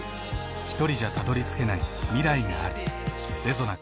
ひとりじゃたどりつけない未来がある。